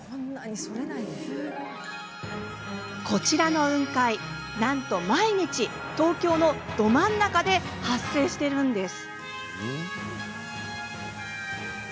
こちらの雲海、なんと毎日東京の、ど真ん中で発生しているんです。